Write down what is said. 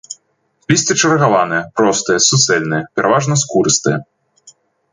Лісце чаргаванае, простае, суцэльнае, пераважна скурыстае.